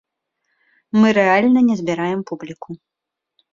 Мы рэальна не збіраем публіку.